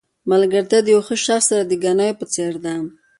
ملګرتیا د یو ښه شخص سره د ګنیو په څېر ده.